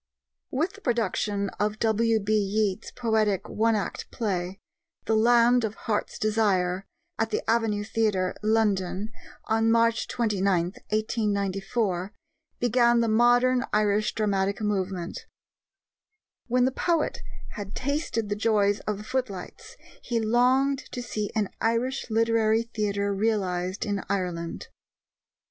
With the production of W.B. Yeats's poetic one act play, The Land of Heart's Desire, at the Avenue Theatre, London, on March 29, 1894, began the modern Irish dramatic movement. When the poet had tasted the joys of the footlights, he longed to see an Irish Literary Theatre realized in Ireland.